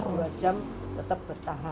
dua jam tetap bertahan